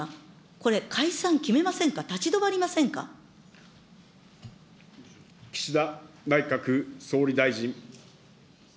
これ、解散決めませんか、立ち止岸田内閣総理大臣。